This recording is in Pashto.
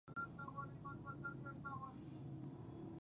د بلبل بیه سوه لوړه تر زرګونو